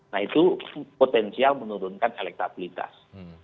nah itu potensial menurunkan elektabilitas